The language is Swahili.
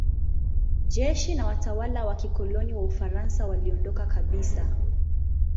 Jeshi na watawala wa kikoloni wa Ufaransa waliondoka kabisa.